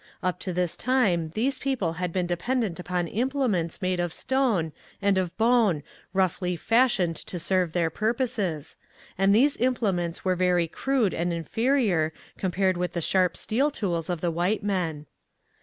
Up to this time these people had been dependent upon implements made of stone and of bone roughly fashioned to serve their purposes, and these implements were very crude and inferior compared with the sharp steel tools of the white men.